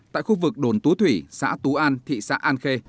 tại khu vực đồn tú thủy xã tú an thị xã an khê